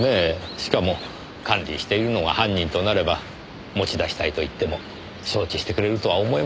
しかも管理しているのが犯人となれば持ち出したいと言っても承知してくれるとは思えませんでしたからねえ。